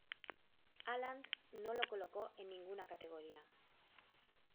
Aland no lo colocó en ninguna categoría.